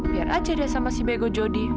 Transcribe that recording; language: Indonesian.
biar aja deh sama si bego jody